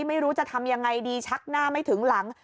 ไม่รู้จะทำยังไงดีชักหน้าไม่ถึงหลัง